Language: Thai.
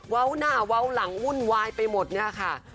้าหน้าเว้าหลังวุ่นวายไปหมดเนี่ยค่ะ